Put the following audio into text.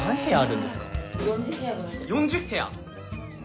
４０部屋！？